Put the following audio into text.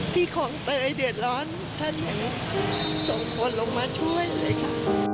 ที่ของเตยเดือดร้อนท่านอย่างนี้ส่งคนลงมาช่วยเลยค่ะ